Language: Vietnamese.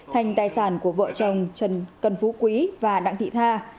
thành tài sản của vợ chồng cần phú quý và đặng thị tha